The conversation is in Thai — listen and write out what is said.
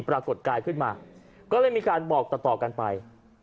ปรากฏกายขึ้นมาก็เลยมีการบอกต่อกันไป